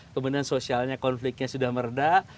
kemudian sosialnya konfliknya sudah meredah